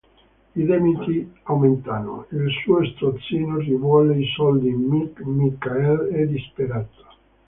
I debiti aumentano, il suo strozzino rivuole i soldi, Michael è disperato.